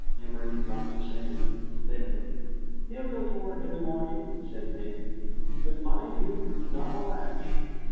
Emory dropped his hand, limply. "He will go to work in the morning," said Nick; "but mind you, not a lash."